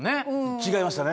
違いましたね。